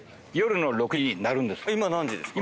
今何時ですか？